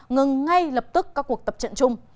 ngừng ngay lập tức các cuộc tập trận chung